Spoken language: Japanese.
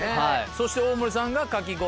そして大森さんがかき氷。